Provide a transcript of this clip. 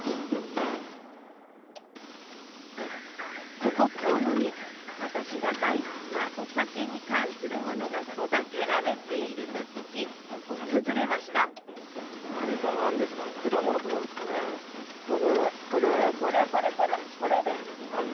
ここ遠野に私が大好きなお酒に関するものが育てられていると聞き訪れました何だ？